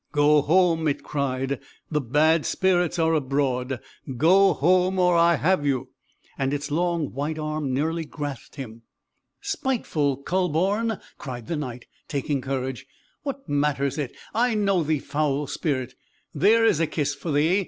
"Go home!" it cried, "the bad spirits are abroad go home! or I have you!" and its long white arm nearly grasped him. "Spiteful Kühleborn," cried the Knight, taking courage, "what matters it, I know thee, foul spirit! There is a kiss for thee!"